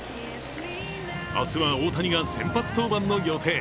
明日は大谷が先発登板の予定。